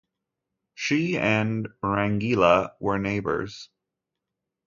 She and Rangeela were neighbours.